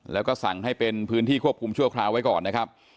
แล้วก็สั่งให้เป็นพื้นที่ควบคุมชั่วคราวไว้ก่อนนะครับ